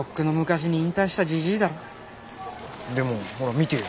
でもほら見てよ。